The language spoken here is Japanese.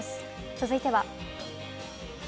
続いては。